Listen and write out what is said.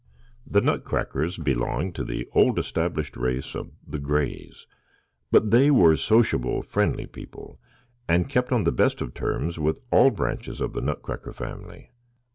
The Nutcrackers belonged to the old established race of the Grays, but they were sociable, friendly people, and kept on the best of terms with all branches of the Nutcracker family.